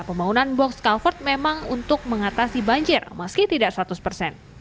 pembangunan box culvert memang untuk mengatasi banjir meski tidak seratus persen